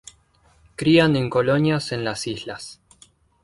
Crían en colonias en las islas.